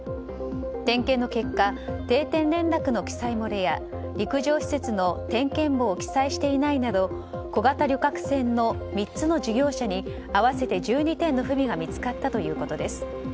点検の結果定点連絡の記載漏れや陸上施設の点検簿を記載していないなど小型旅客船の３つの事業者に合わせて１２点の不備が見つかったということです。